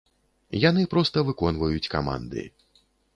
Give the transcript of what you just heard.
Яны проста выконваюць каманды.